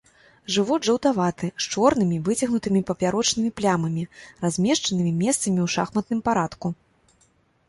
Жывот жаўтаваты, з чорнымі, выцягнутымі папярочнымі плямамі, размешчанымі месцамі ў шахматным парадку.